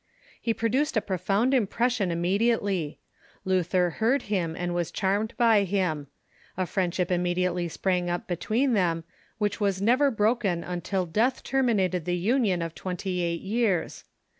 He produced a profound impression immediately. Luther heard him, and was charmed by him. A friendship immediately sprang up between them, which was never broken until death terminated the union of twenty eight years.